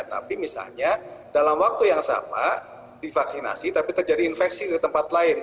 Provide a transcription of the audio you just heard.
tapi misalnya dalam waktu yang sama divaksinasi tapi terjadi infeksi di tempat lain